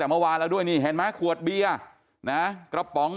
แต่เมื่อวานแล้วด้วยนี่เห็นไหมขวดเบียร์นะกระป๋อง